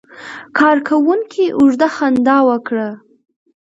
کارکونکي اوږده خندا وکړه.